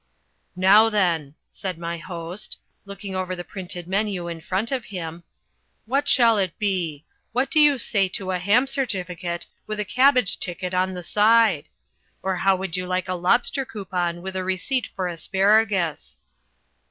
"Now then," said my host, looking over the printed menu in front of him, "what shall it be? What do you say to a ham certificate with a cabbage ticket on the side? Or how would you like lobster coupon with a receipt for asparagus?"